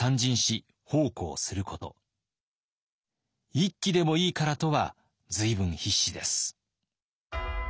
一騎でもいいからとは随分必死です。